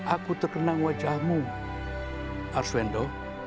aku terkenang wajahmu arswendo